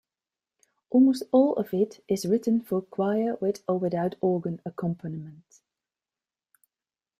Almost all of it is written for choir with or without organ accompaniment.